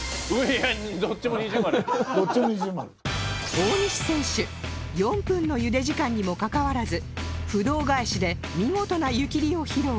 大西選手４分のゆで時間にもかかわらず不動返しで見事な湯切りを披露